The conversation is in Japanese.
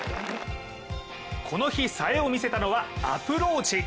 この日、さえを見せたのはアプローチ。